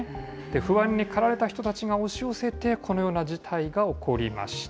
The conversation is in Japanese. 不安にかられた人たちが押し寄せて、このような事態が起こりまし